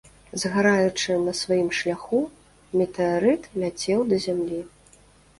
Згараючы на сваім шляху, метэарыт ляцеў да зямлі.